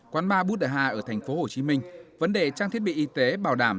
quán ba bút ở hà ở tp hcm vấn đề trang thiết bị y tế bảo đảm